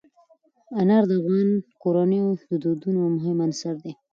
انار د افغان کورنیو د دودونو مهم عنصر دی.